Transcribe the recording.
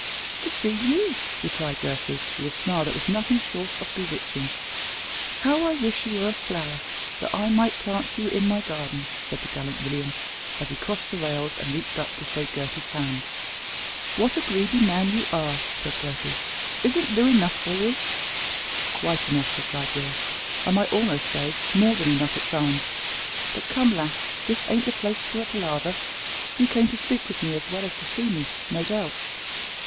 "To see you," replied Gertie, with a smile that was nothing short of bewitching. "How I wish you were a flower, that I might plant you in my garden," said the gallant William, as he crossed the rails and reached up to shake Gertie's hand. "What a greedy man you are!" said Gertie. "Isn't Loo enough for you?" "Quite enough," replied Will, "I might almost say more than enough at times; but come, lass, this ain't the place for a palaver. You came to speak with me as well as to see me, no doubt."